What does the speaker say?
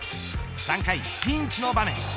３回ピンチの場面。